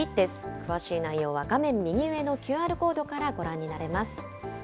詳しい内容は画面右上のＱＲコードからご覧になれます。